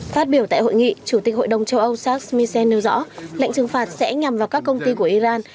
phát biểu tại hội nghị chủ tịch hội đồng châu âu charles misen nêu rõ lệnh trừng phạt sẽ nhằm vào các công ty của iran